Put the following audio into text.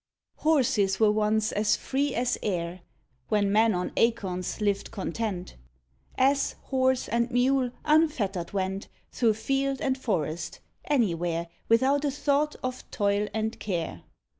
Horses were once as free as air, When man on acorns lived content. Ass, horse, and mule unfettered went Through field and forest, anywhere, Without a thought of toil and care.